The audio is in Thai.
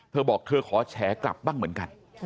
เธอบอกเธอขอแฉกลับบ้างเหมือนกัน